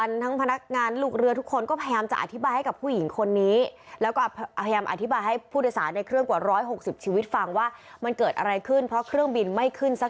แล้วก็ไม่ยอมให้เครื่องขึ้นค่ะ